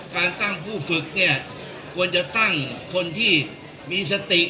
การตั้งผู้ฝึกเนี่ยควรจะตั้งคนที่มีสติ